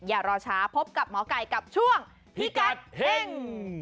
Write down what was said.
อย่ารอช้าพบกับหมอไก่กับช่วงพิกัดเฮ่ง